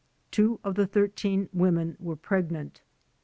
Two of the thir teen women were pregnant.